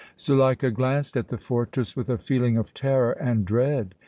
Zuleika glanced at the fortress with a feeling of terror and dread.